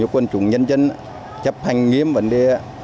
với quân chủ nhân dân chấp hành nghiêm vấn đề